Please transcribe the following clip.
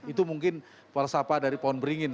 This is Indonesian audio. itu mungkin palsafah dari pohon beringin